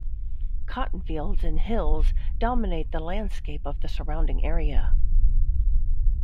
Cotton fields and hills dominate the landscape of the surrounding area.